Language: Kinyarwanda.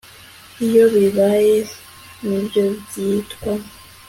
iyo bibaye ni byo byitwa